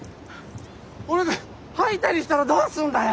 俺が吐いたりしたらどうすんだよ。